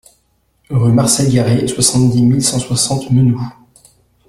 Rue Marcel Garret, soixante-dix mille cent soixante Menoux